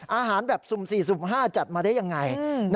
อาหารแบบสุ่ม๔๕จัดมาได้อย่างไร